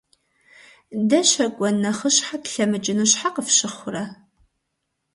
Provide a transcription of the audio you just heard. Дэ щэкӀуэн нэхъыщхьэ тлъэмыкӀыну щхьэ къыфщыхъурэ?